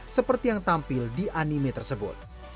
seperti yang tampil di anime tersebut